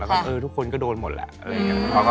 แล้วก็ทุกคนก็โดนหมดแหละอะไรอย่างนี้